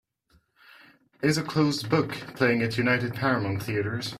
Is A Closed Book playing at United Paramount Theatres